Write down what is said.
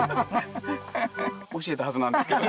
教えたはずなんですけど。